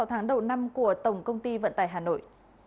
sáu tháng đầu năm của tổng công ty vận tải hà nội